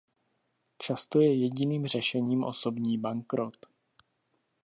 Často je jediným řešením osobní bankrot.